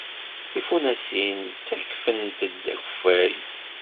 Tifunasin ttakfent-d akeffay.